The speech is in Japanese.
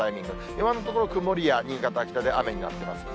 今のところ、曇りや新潟、北で雨になっています。